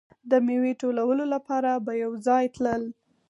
د میوې ټولولو لپاره به یو ځای تلل.